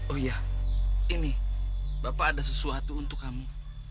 oh iya ini bapak ada sesuatu untuk kamu